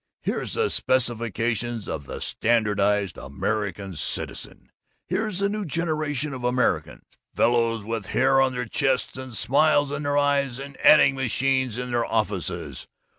Here's the specifications of the Standardized American Citizen! Here's the new generation of Americans: fellows with hair on their chests and smiles in their eyes and adding machines in their offices.